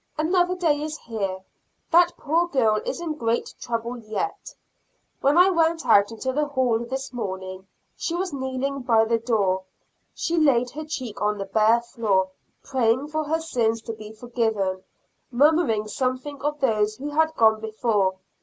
Another day is here. That poor girl is in great trouble yet. When I went out into the hall this morning, she was kneeling by the door; she laid her cheek on the bare floor, praying for her sins to be forgiven, murmuring something of those who had gone before.